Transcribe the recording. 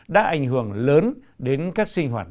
đã ảnh hưởng lớn đến các sinh hoạt